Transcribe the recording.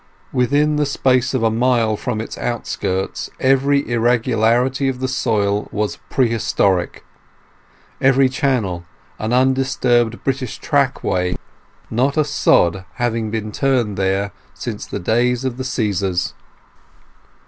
Within the space of a mile from its outskirts every irregularity of the soil was prehistoric, every channel an undisturbed British trackway; not a sod having been turned there since the days of the Cæsars.